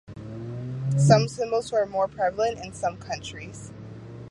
Some symbols were more prevalent in some countries.